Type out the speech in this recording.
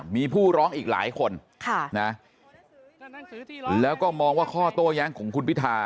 มีผู้ร้องอีกหลายคนแล้วก็มองว่าข้อโต้แย้งของคุณพิธา